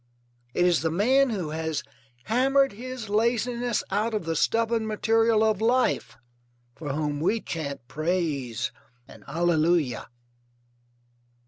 It is the man who has hammered his laziness out of the stubborn material of life for whom we chant praise and allelulia.